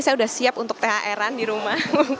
saya sudah siap untuk thr an di rumah